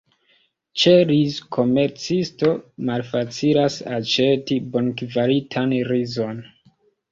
Ĉe rizkomercisto malfacilas aĉeti bonkvalitan rizon.